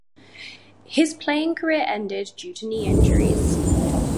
His playing career ended due to knee injuries.